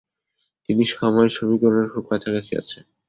তিনি সময় সমীকরণের খুব কাছাকাছি আছেন।